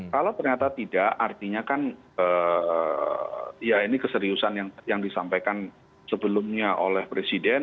kalau ternyata tidak artinya kan ya ini keseriusan yang disampaikan sebelumnya oleh presiden